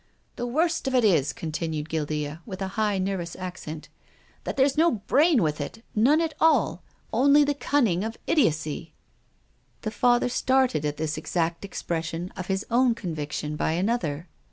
"The worst of it is," continued Guildca, with a high, nervous accent, " that there's no brain with it, none at all— only the cunning of idiotcy." The Father started at this exact expression of his own conviction by another.